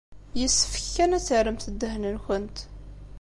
Yessefk kan ad terremt ddehn-nkent.